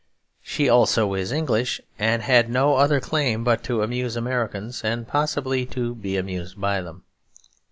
She also is English; and had no other claim but to amuse Americans and possibly to be amused by them.